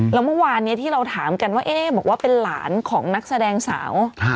แล้วเมื่อวานนี้ที่เราถามกันว่าบอกว่าเป็นหลานของนักแสดงสาว